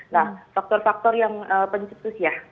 nah faktor faktor yang pencetus ya